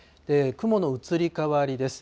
雲の移り変わりです。